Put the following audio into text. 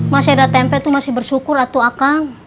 mas edat tempe tuh masih bersyukur atuh akang